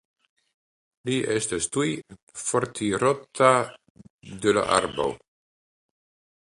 Li estas tuj fortirota de la arbo.